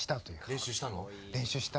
練習した。